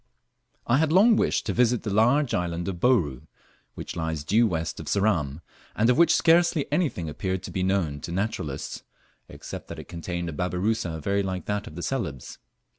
I HAD long wished to visit the large island of Bouru, which lies due west of Ceram, and of which scarcely anything appeared to be known to naturalists, except that it contained a babirusa very like that of Celebes.